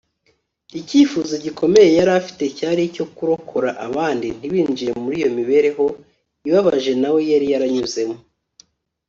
icyifuzo gikomeye yari afite cyari icyo kurokora abandi ntibinjire muri iyo mibereho ibabaje nawe yari yaranyuzemo